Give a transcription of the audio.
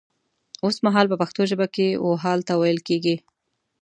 وسمهال په پښتو ژبه کې و حال ته ويل کيږي